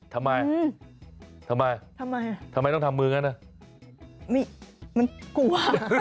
ทำไมทำไมต้องทำมืองั้นนะมันกลัว